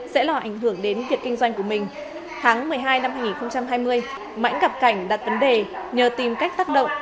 sẽ lo ảnh hưởng đến việc kinh doanh của mình tháng một mươi hai năm hai nghìn hai mươi mãnh gặp cảnh đặt vấn đề nhờ tìm cách tác động